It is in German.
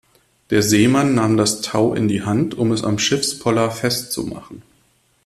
Der Seemann nahm das Tau in die Hand, um es am Schiffspoller festzumachen.